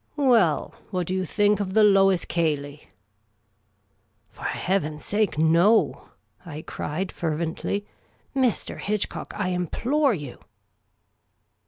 "Well, what do j'ou think of the /.cy/s Cay Icyf' " For Heaven's sake, no !" I cried, fervently. " Mr. Hitchcock, I implore you